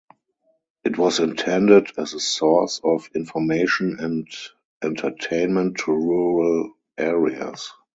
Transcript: It was intended as a source of "information and entertainment to rural areas".